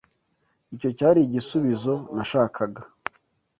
Icyo cyari igisubizo nashakaga.